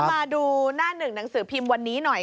มาดูหน้าหนึ่งหนังสือพิมพ์วันนี้หน่อย